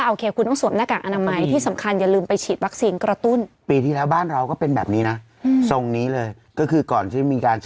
แล้วก็มาช่วงมกราก็เริ่มมา